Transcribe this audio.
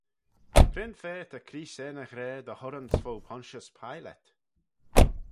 Cre'n fa ta Creest er ny ghra dy hurranse fo Pontius Pilate?